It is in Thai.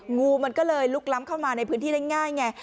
งูมันก็เลยลุกล้ำเข้ามาในพื้นที่ได้ง่ายไง